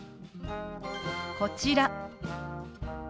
こちら。